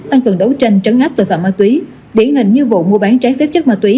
đang cần đấu tranh trấn áp tội phạm ma túy biến hình như vụ mua bán trái phép chất ma túy